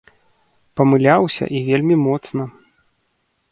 Памыляўся і вельмі моцна!